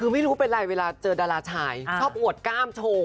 คือไม่รู้เป็นไรเวลาเจอดาราชายชอบอวดกล้ามโชว์